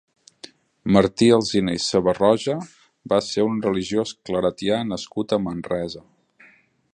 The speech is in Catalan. Martí Alsina i Sevarroja va ser un religiós claretià nascut a Manresa.